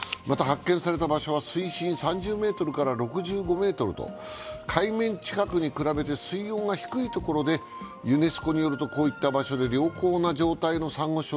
また発見された場所は水深３０ｍから６５ｍと海面近くに比べて水温が低いところでユネスコによると、こういった場所で良好な状態のさんご